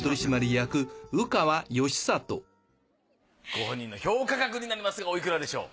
ご本人の評価額になりますがおいくらでしょう？